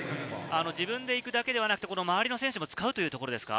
自分だけではなく周りの選手を使うというところですか？